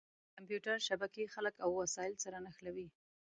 کمپیوټر شبکې خلک او وسایل سره نښلوي.